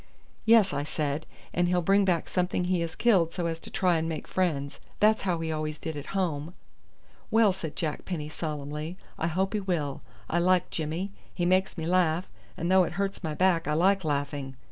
"Yes," I said, "and he'll bring back something he has killed so as to try and make friends. That's how he always did at home." "Well," said Jack Penny solemnly, "I hope he will. I like Jimmy, he makes me laugh, and though it hurts my back I like laughing.